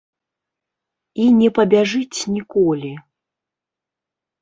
І не пабяжыць ніколі.